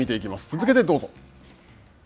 続けてどうぞ。